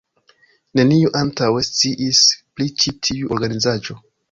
Neniu antaŭe sciis pri ĉi tiu organizaĵo.